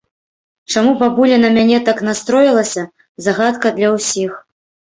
Чаму бабуля на мяне так настроілася, загадка для ўсіх.